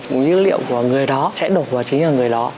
một dữ liệu của người đó sẽ đổ vào chính là người đó